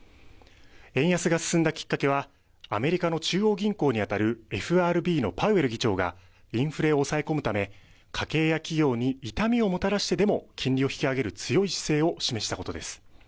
円安が進んだきっかけはアメリカの中央銀行にあたるＦＲＢのパウエル議長がインフレを抑え込むため家計や企業に痛みをもたらしてでも金利を引き上げる強い姿勢を示したことです。